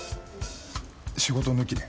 仕事抜きで。